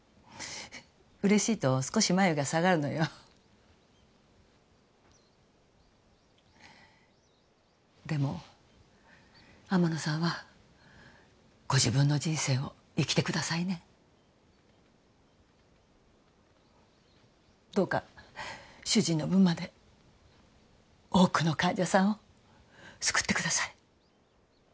嬉しいと少し眉が下がるのよでも天野さんはご自分の人生を生きてくださいねどうか主人の分まで多くの患者さんを救ってください